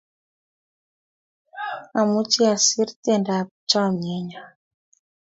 Amuchi asir tiendap chamyenyo